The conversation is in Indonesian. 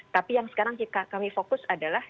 tapi yang sekarang kami fokus adalah